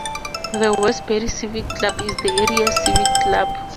The Westbury Civic Club is the area civic club.